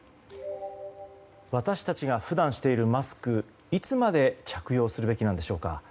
私たちが普段しているマスクいつまで着用するべきなのでしょうか。